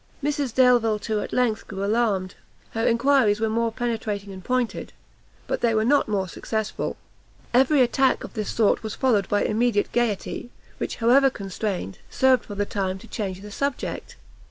Mrs Delvile, too, at length grew alarmed; her enquiries were more penetrating and pointed, but they were not more successful; every attack of this sort was followed by immediate gaiety, which, however constrained, served, for the time, to change the subject.